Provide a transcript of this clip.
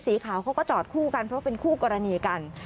สีขาวเขาก็จอดคู่กันเพราะเป็นคู่กรณีกัน